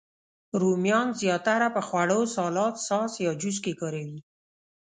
رومیان زیاتره په خوړو، سالاد، ساس، یا جوس کې کاروي